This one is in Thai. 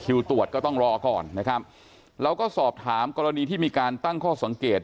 ตรวจก็ต้องรอก่อนนะครับเราก็สอบถามกรณีที่มีการตั้งข้อสังเกต